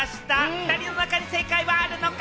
２人の中に正解はあるのか。